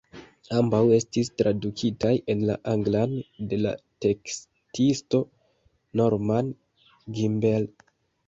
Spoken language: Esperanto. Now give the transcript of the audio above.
Ambaŭ estis tradukitaj en la anglan de la tekstisto Norman Gimbel.